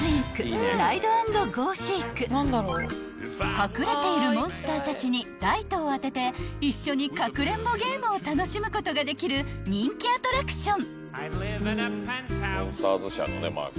［隠れているモンスターたちにライトを当てて一緒にかくれんぼゲームを楽しむことができる人気アトラクション］